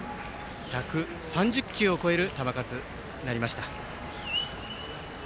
１３０球を超える球数になりました。